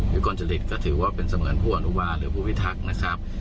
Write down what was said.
วิกลจริตก็ถือว่าเป็นเสมือนผู้อนุบาลหรือผู้พิทักษ์นะครับ